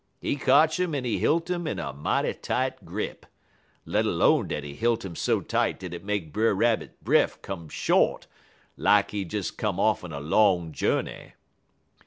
He kotch 'im en he hilt 'im in a mighty tight grip, let 'lone dat he hilt 'im so tight dat it make Brer Rabbit breff come short lak he des come off'n a long jurney.